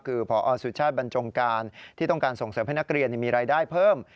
คือพอสุชาติบรรจงการที่ต้องการส่งเสริมให้นักเรียนมีรายได้เพิ่ม